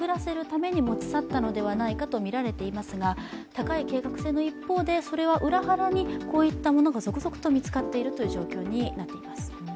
高い計画性の一方で、それとは裏腹にこういったものが続々と見つかっているという状況になっています。